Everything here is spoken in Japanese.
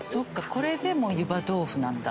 これでもう湯葉どうふなんだ。